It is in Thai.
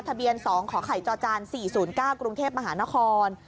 ทะเบียน๒ขอไข่จจ๔๐๙กรุงเทพมหานคร